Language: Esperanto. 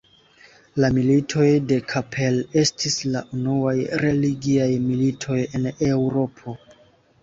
La Militoj de Kappel estis la unuaj religiaj militoj en Eŭropo.